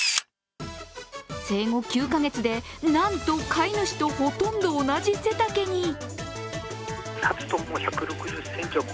生後９カ月で、なんと飼い主とほとんど同じ背丈に。